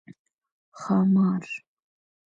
🐉ښامار